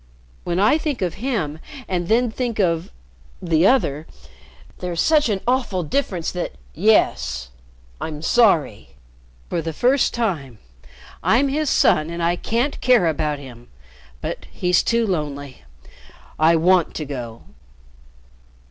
When I think of him and then think of the other there's such an awful difference that yes I'm sorry. For the first time. I'm his son and I can't care about him; but he's too lonely I want to go."